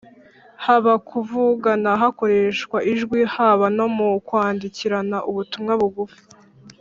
haba kuvugana hakoreshwa ijwi, haba no mu kwandikirana ubutumwa bugufi.